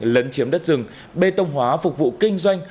lấn chiếm đất rừng bê tông hóa phục vụ kinh doanh